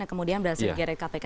dan kemudian berhasil dikirim kpk